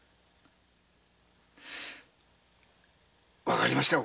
わかりました。